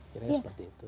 kira kira seperti itu